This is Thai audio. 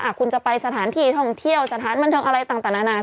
คุณจะไปสถานที่ท่องเที่ยวสถานบันเทิงอะไรต่างนานา